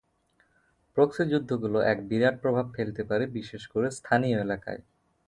Proxy যুদ্ধগুলো এক বিরাট প্রভাব ফেলতে পারে, বিশেষ করে স্থানীয় এলাকায়।